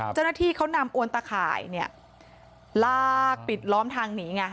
เจ้าหน้าที่เขานำอวนตะข่ายเนี่ยลากปิดล้อมทางหนีไง